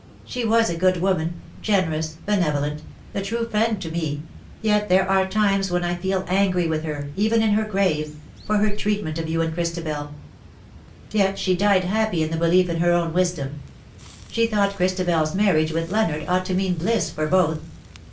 She was a good woman — generous, benevolent — a true friend to me — yet there are times when I feel angry with her — even in her grave — for her treatment of you and Christabel. Yet she died happy in the belief in her own wisdom. She thought ChristabeFs marriage with Leonard ought to mean bliss for both.